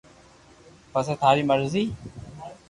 پسي ٿاري مرزي